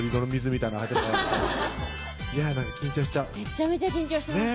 めちゃめちゃ緊張してます